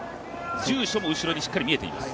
住所も後ろにしっかり見えています。